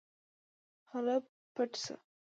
هله پټ شه.